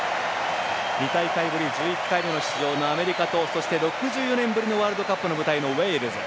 ２大会ぶり１１回目の出場のアメリカとそして６４年ぶりのワールドカップの舞台のウェールズ。